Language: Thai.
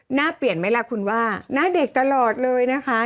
หน้าเปลี่ยนไหมล่ะคุณว่าหน้าเด็กตลอดเลยนะคะ